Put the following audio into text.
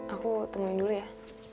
aku temuin dulu ya